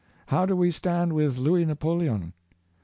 How do we stand with Louis Napoleon?